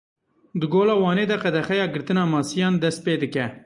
Di Gola Wanê de qedexeya girtina masiyan dest pê dike.